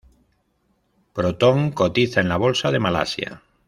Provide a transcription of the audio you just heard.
Proton cotiza en la Bolsa de Malasia.